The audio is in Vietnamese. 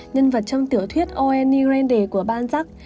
nhân vật trong tiểu thuyết o n y randy của ban giác